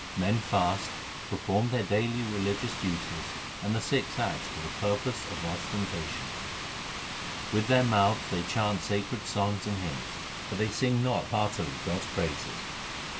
Men fast, perform their daily religious duties, and the six acts for the purpose of ostentation. With their mouths they chant sacred songs and hymns, but they sing not heartily God s praises.